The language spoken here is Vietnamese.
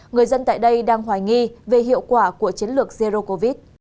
người dân tại đây đang hoài nghi về hiệu quả của chiến lược zero covid